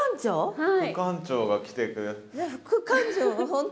はい。